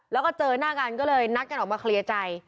แล้วก็เจอหน้ากันก็เลยนัดกันออกมาเคลียร์ใจ